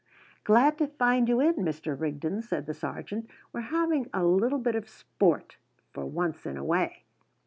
"Glad to find you in, Mr. Rigden," said the sergeant. "We're having a little bit of sport, for once in a way."